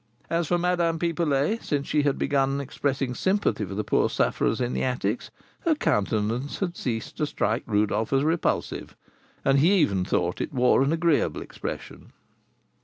As for Madame Pipelet, since she had begun expressing sympathy for the poor sufferers in the attics, her countenance had ceased to strike Rodolph as repulsive, and he even thought it wore an agreeable expression.